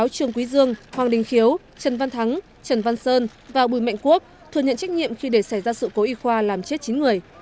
trần văn thắng trần văn sơn và bùi mệnh quốc thừa nhận trách nhiệm khi để xảy ra sự cố y khoa làm chết chín người